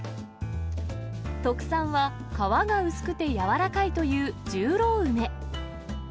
特産は、皮が薄くて柔らかいという十郎梅。